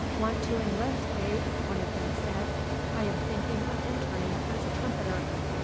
"Want to enlist, eh?" one of them said. "I am thinking of entering as a trumpeter."